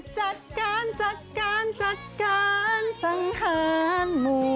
จัดการจัดการจัดการสังหารหมู่